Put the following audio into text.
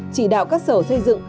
chỉ đạo các sở xây dựng